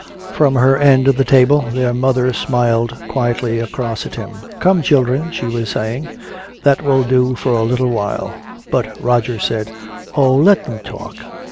From her end of the table their mother smiled quietly across at him. "Come children," she was saying, "that will do for a little while." But Roger said, "Oh, let them talk."...